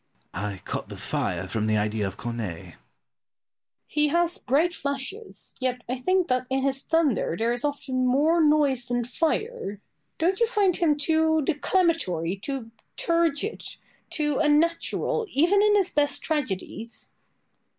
Pope. I caught the fire from the idea of Corneille. Boileau. He has bright flashes, yet I think that in his thunder there is often more noise than fire. Don't you find him too declamatory, too turgid, too unnatural, even in his best tragedies?